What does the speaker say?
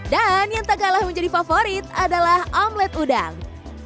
dan yang tak kalah menjadi favorit adalah omlet udang